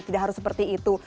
tidak harus seperti itu